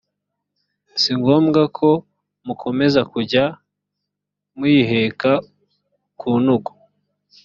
si ngombwa ko mukomeza kujya muyiheka ku ntugu